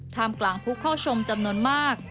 กลางผู้เข้าชมจำนวนมาก